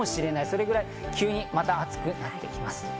それぐらい急にまた暑くなってきます。